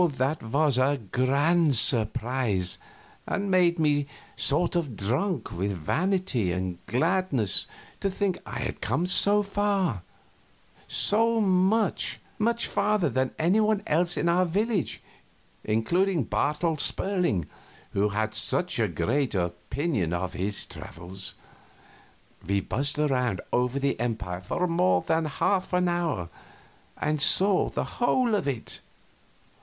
That was a grand surprise, and made me sort of drunk with vanity and gladness to think I had come so far so much, much farther than anybody else in our village, including Bartel Sperling, who had such a great opinion of his travels. We buzzed around over that empire for more than half an hour, and saw the whole of it.